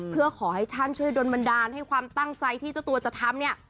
เพื่อขอให้ท่านช่วยโดนบันดาลให้ความตั้งใจที่เจ้าตัวจะทำเนี่ย